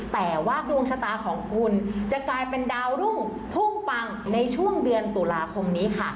แต่ว่าดวงชะตาของคุณจะกลายเป็นดาวรุ่งพุ่งปังในช่วงเดือนตุลาคมนี้ค่ะ